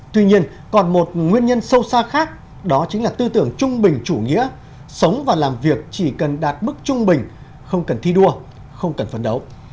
tuy nhiên còn một nguyên nhân sâu xa khác đó chính là tư tưởng trung bình chủ nghĩa sống và làm việc chỉ cần đạt mức trung bình không cần thi đua không cần phấn đấu